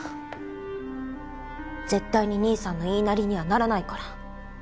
絶対に兄さんの言いなりにはならないから。